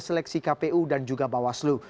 seleksi kpu dan juga bawaslu